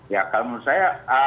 ya kalau menurut saya